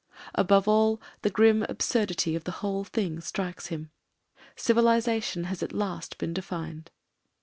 Above all, the grim absurdity of the whole thing strikes him ; civilisation has at last been defined.